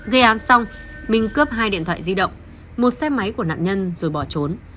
gây án xong minh cướp hai điện thoại di động một xe máy của nạn nhân rồi bỏ trốn